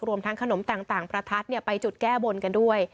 รวมทั้งขนมต่างประทัดไปจุดแก้บนกันด้วย